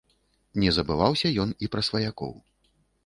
Не забываўся ён і пра сваякоў.